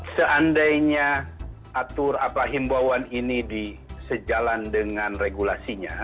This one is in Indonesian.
seandainya atur apalagi mbauan ini disejalan dengan regulasinya